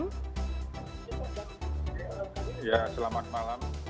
ya selamat malam